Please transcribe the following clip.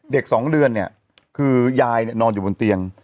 ๒เดือนเนี่ยคือยายนอนอยู่บนเตียง